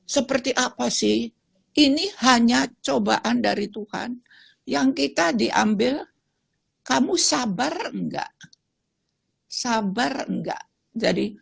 seperti apa sih ini hanya cobaan dari tuhan yang kita diambil kamu sabar enggak sabar enggak jadi